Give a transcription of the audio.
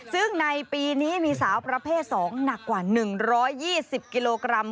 ซึ่งในปีนี้มีสาวประเภท๒หนักกว่า๑๒๐กิโลกรัม